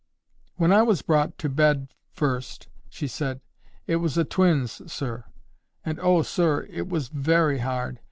"When I was brought to bed first," she said, "it was o' twins, sir. And oh! sir, it was VERY hard.